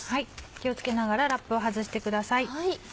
気を付けながらラップを外してください。